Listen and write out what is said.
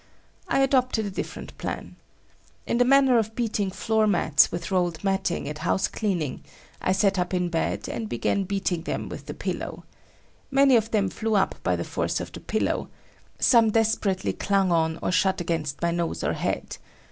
I adopted a different plan. In the manner of beating floor mats with rolled matting at house cleaning, I sat up in bed and began beating them with the pillow. Many of them flew up by the force of the pillow; some desperately clung on or shot against my nose or head.